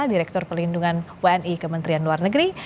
direktur pelindungan wni kementerian luar negeri